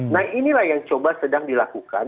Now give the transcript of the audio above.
nah inilah yang coba sedang dilakukan